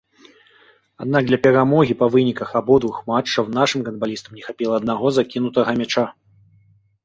Аднак для перамогі па выніках абодвух матчаў нашым гандбалісткам не хапіла аднаго закінутага мяча.